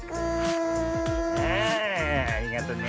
ああありがとね。